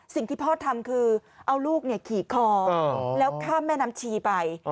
สิ่งที่พ่อทำคือเอาลูกขี่คอแล้วข้ามแม่น้ำชีไป